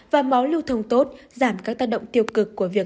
và máu lưu thông tốt giảm các tác động tiêu cực của việc